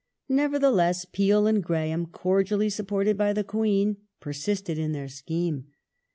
Nevertheless, Peel and Graham, cordially sup ported by the Queen, pei sisted in their scheme.